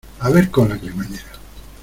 a ver con la cremallera.